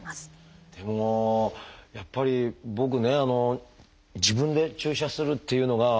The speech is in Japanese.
でもやっぱり僕ね自分で注射するっていうのが。